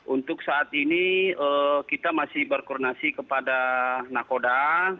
untuk saat ini kita masih berkoordinasi kepada nakoda